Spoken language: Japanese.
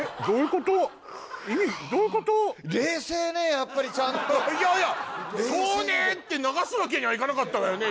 やっぱりちゃんといやいやそうねって流すわけにはいかなかったわよね